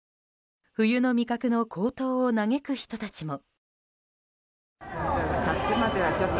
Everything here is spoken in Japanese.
冬の味覚の高騰を嘆く人たちも。